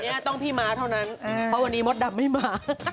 ต้องพี่ม้าเท่านั้นเพราะวันนี้มดดำไม่มา